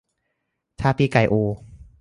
ถ้าพี่ไก่อู